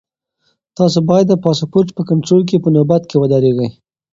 تاسو باید د پاسپورټ په کنټرول کې په نوبت کې ودرېږئ.